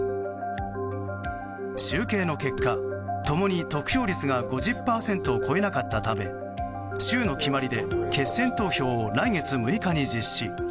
集計の結果、共に得票率が５０％を超えなかったため州の決まりで決選投票を来月６日に実施。